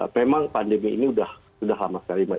memang pandemi ini sudah lama sekali